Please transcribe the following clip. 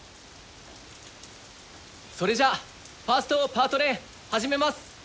それじゃあファーストパート練始めます。